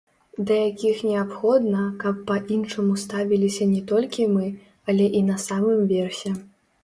Да якіх неабходна, каб па-іншаму ставіліся не толькі мы, але і на самым версе.